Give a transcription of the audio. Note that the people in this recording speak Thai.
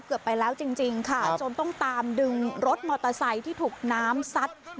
เกือบไปแล้วจริงค่ะจนต้องตามดึงรถมอเตอร์ไซค์ที่ถูกน้ำซัด